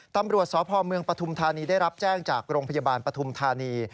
ตำรวจสพเมืองปฐุมธานีได้รับแจ้งจากโรงพยาบาลปฐุมธานี